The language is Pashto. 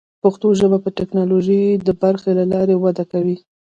پښتو ژبه د ټکنالوژۍ د برخو له لارې وده کوي.